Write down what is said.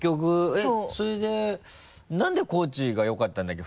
えっそれでなんで高知がよかったんだっけ？